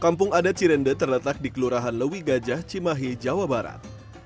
kampung adat cirende terletak di kelurahan lewi gajah cimahi jawa barat